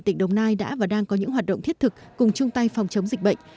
tỉnh đồng nai đã và đang có những hoạt động thiết thực cùng chung tay phòng chống dịch bệnh